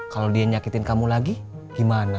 kalau dia nyakitin kamu lagi gimana